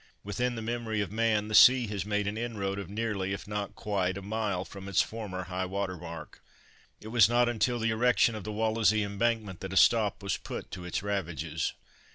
Within the memory of man the sea has made an inroad of nearly, if not quite, a mile from its former high water mark. It was not until the erection of the Wallasey embankment that a stop was put to its ravages.